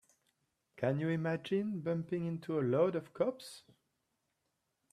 Can you imagine bumping into a load of cops?